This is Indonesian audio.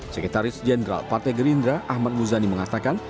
sekretaris jenderal partai gerindra ahmad muzani mengatakan